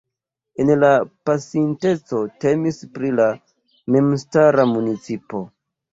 En la pasinteco temis pri la memstara municipo.